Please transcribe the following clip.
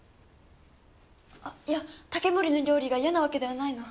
あっいや竹森の料理が嫌なわけではないの。